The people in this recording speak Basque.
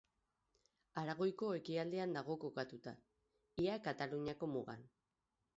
Aragoiko ekialdean dago kokatuta, ia Kataluniako mugan.